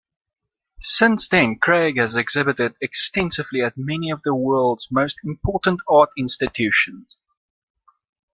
Since then Cragg has exhibited extensively at many of world's most important art institutions.